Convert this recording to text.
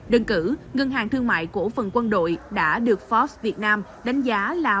đơn cử ngân hàng thương mại cổ phần quân đội đã được forbes việt nam đánh giá là